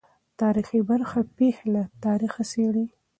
تاریخي برخه پېښې له تاریخه څېړي.